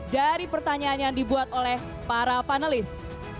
dari pertanyaan yang dibuat oleh para panelis